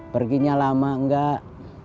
perginya lama gak